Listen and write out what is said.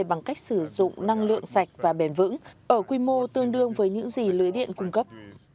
bằng cách sử dụng năng lượng sạch và bền vững ở quy mô tương đương với những gì lưới điện cung cấp